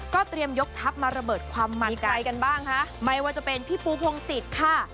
เตรียมยกทัพมาระเบิดความมันไกลกันบ้างค่ะไม่ว่าจะเป็นพี่ปูพงศิษย์ค่ะ